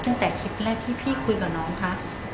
ตั้งแต่คลิปแรกที่พี่คุยกับน้องคะ